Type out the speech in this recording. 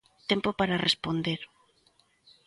Tempo para responder.